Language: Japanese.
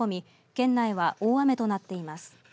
県内は大雨となっています。